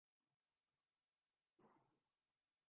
رب روپے سے زائد کی بجلی چوری ہوئی